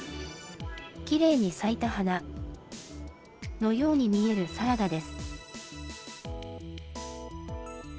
きれいに咲いた花のように見えるサラダです。